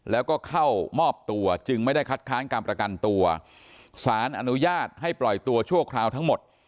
แล้วก็เข้ามอบตัวจึงไม่ได้คัดค้านการประกันตัวสารอนุญาตให้ปล่อยตัวชั่วคราวทั้งหมด